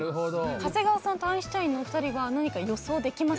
長谷川さんとアインシュタインのお二人は何か予想できます？